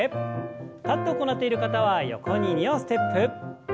立って行っている方は横に２歩ステップ。